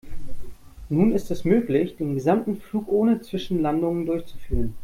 Nun ist es möglich, den gesamten Flug ohne Zwischenlandungen durchzuführen.